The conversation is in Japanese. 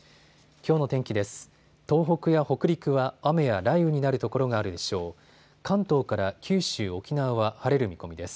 きょうの天気です。